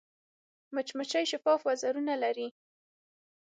مچمچۍ شفاف وزرونه لري